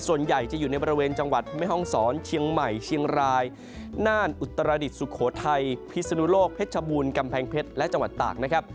ส่วนใหญ่จะอยู่ในบริเวณจังหวัดแม่ห้องศรเชียงใหม่เชียงรายน่านอุตรดิษฐสุโขทัยพิศนุโลกเพชรชบูรณกำแพงเพชรและจังหวัดตากนะครับ